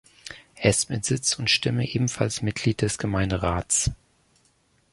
Er ist mit Sitz und Stimme ebenfalls Mitglied des Gemeinderats.